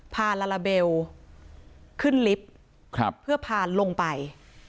ลาลาเบลขึ้นลิฟต์เพื่อพาลงไป